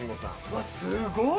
うわっすごい！